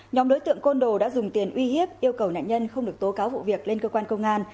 nhóm đối tượng côn đồ đã dùng tiền uy hiếp yêu cầu nạn nhân không được tố cáo vụ việc lên cơ quan công an